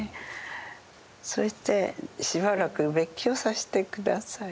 そして「しばらく別居させてください」。